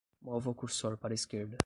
Mova o cursor para a esquerda